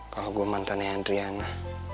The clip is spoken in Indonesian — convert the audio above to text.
kalau gue mantan ya adriana